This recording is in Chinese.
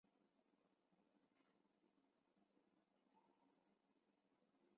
桥两端为各自的哨站。